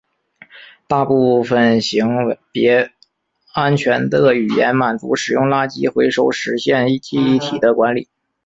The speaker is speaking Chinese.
大部分型别安全的语言满足使用垃圾回收实现记忆体的管理。